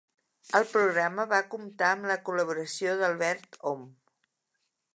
El programa va comptar amb la col·laboració d'Albert Om.